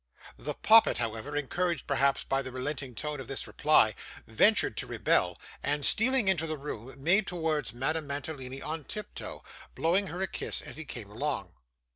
The poppet, however, encouraged perhaps by the relenting tone of this reply, ventured to rebel, and, stealing into the room, made towards Madame Mantalini on tiptoe, blowing her a kiss as he came along.